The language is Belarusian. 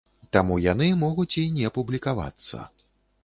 Таму яны могуць і не публікавацца.